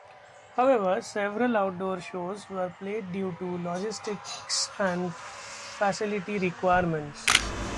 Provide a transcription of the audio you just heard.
However, several outdoor shows were played due to logistics and facility requirements.